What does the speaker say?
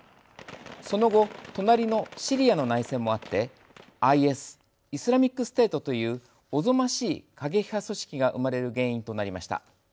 その後、隣のシリアの内戦もあってＩＳ＝イスラミックステートという、おぞましい過激派組織が生まれる原因となりました。